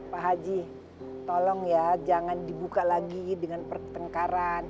pak haji tolong ya jangan dibuka lagi dengan pertengkaran